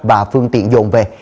và phương tiện dồn về